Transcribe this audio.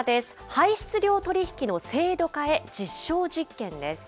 排出量取り引きの制度化へ、実証実験です。